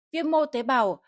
viêm mô tế bào